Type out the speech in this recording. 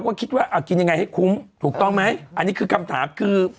ก็คิดว่าอ่ากินยังไงให้คุ้มถูกต้องไหมอันนี้คือคำถามคือ